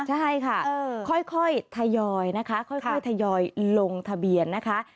ใช่ค่ะค่อยทยอยนะคะค่อยทยอยลงทะเบียนนะคะ